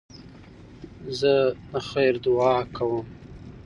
زه د خیر دؤعا کوم.